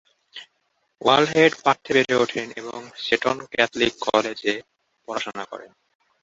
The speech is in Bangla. ওয়ালহেড পার্থে বেড়ে ওঠেন এবং সেটন ক্যাথলিক কলেজে পড়াশোনা করেন।